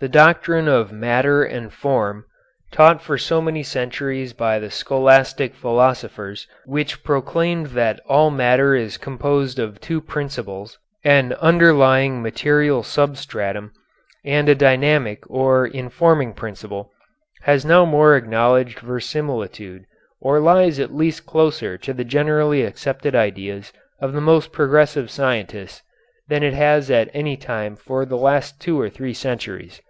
The doctrine of "matter and form," taught for so many centuries by the scholastic philosophers, which proclaimed that all matter is composed of two principles, an underlying material substratum, and a dynamic or informing principle, has now more acknowledged verisimilitude, or lies at least closer to the generally accepted ideas of the most progressive scientists, than it has at any time for the last two or three centuries.